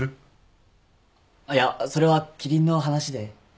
あっいやそれはキリンの話で。